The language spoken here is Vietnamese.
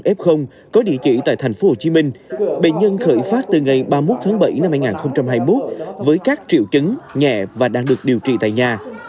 bệnh nhân f có địa chỉ tại thành phố hồ chí minh bệnh nhân khởi phát từ ngày ba mươi một tháng bảy năm hai nghìn hai mươi một với các triệu chứng nhẹ và đang được điều trị tại nhà